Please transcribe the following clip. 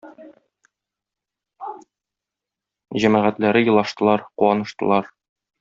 Җәмәгатьләре елаштылар, куаныштылар.